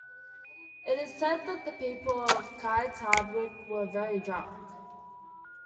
It is said that the people of Kites Hardwick were very drunk.